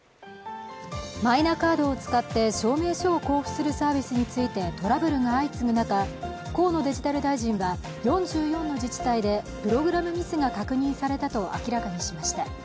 マイナカードを使って証明書を交付するサービスについてトラブルが相次ぐ中、河野デジタル大臣は４４の自治体でプログラムミスが確認されたと明らかにしました。